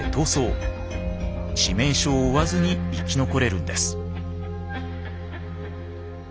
致命傷を負わずに生き残れるんです。